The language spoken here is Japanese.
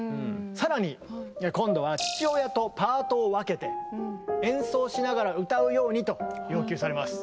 更に今度は父親とパートを分けて演奏しながら歌うようにと要求されます。